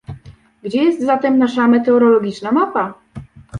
Gdzie jest zatem nasza meteorologiczna mapa?